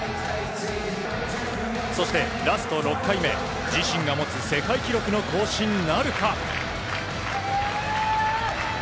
そして、ラスト６回目自身が持つ世界記録の更新なるか。